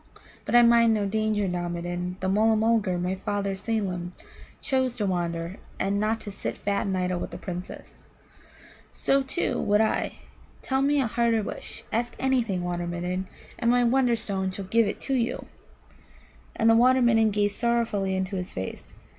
But I mind no danger now, Midden. That Mulla mulgar, my father Seelem, chose to wander, and not to sit fat and idle with Princes. So, too, would I. Tell me a harder wish. Ask anything, Water midden, and my Wonderstone shall give it you." And the Water midden gazed sorrowfully into his face.